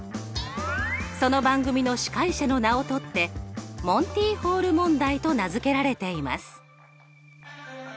その番組の司会者の名を取ってモンティ・ホール問題と名付けられています。